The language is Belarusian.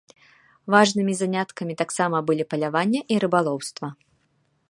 Важнымі заняткамі таксама былі паляванне і рыбалоўства.